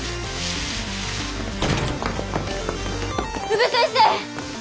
宇部先生！